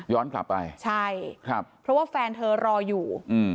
ย้อนกลับไปใช่เพราะว่าแฟนเธอรออยู่